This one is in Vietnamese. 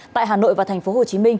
tại hà nội và tp hcm